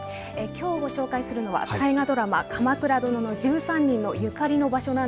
きょうお伝えするのは大河ドラマ、鎌倉殿の１３人にゆかりがある場所。